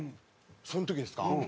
その時ですか？